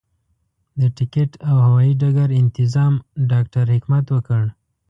د ټکټ او هوايي ډګر انتظام ډاکټر حکمت وکړ.